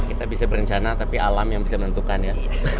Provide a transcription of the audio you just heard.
kita bisa berencana tapi alam yang bisa menentukan ya